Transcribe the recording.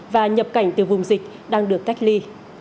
và nhập cảnh từ vùng dịch đang được cách ly